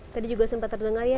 tadi juga sempat terdengar ya